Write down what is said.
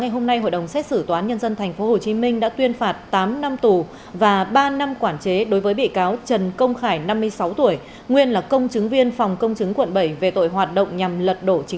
hãy đăng ký kênh để ủng hộ kênh của chúng mình nhé